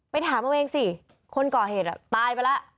ถามเอาเองสิคนก่อเหตุตายไปแล้ว